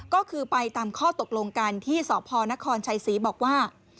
ก็คือไปตามข้อตกลงกันที่สพนครชัยศรีบอกว่า